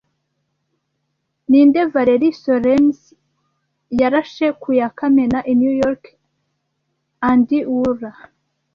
Ni nde Valerie Solernis yarashe ku ya Kamena i New York Andy Worhole